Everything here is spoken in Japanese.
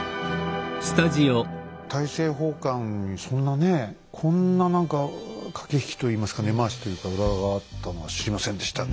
大政奉還にそんなねこんな何か駆け引きといいますか根回しというか裏があったのは知りませんでしたね。